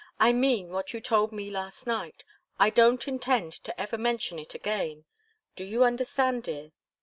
"I mean what you told me last night. I don't intend ever to mention it again do you understand, dear?